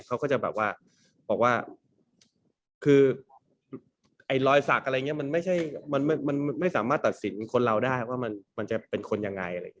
เขาก็จะแบบว่าคือรอยสักอะไรอย่างนี้มันไม่สามารถตัดสินคนเราได้ว่ามันจะเป็นคนอย่างไร